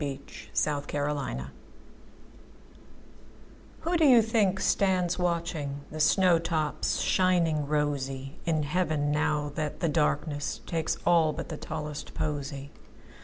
30. Everlasting Flowers WHO do you think stands watchingThe snow tops shining rosyIn heaven, now that the darknessTakes all but the tallest posy?